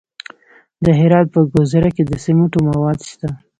د هرات په ګذره کې د سمنټو مواد شته.